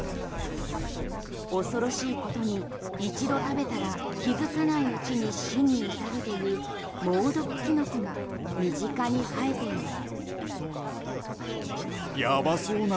恐ろしいことに一度食べたら気づかないうちに死に至るという猛毒キノコも身近に生えています。